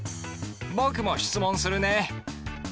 僕も質問するね。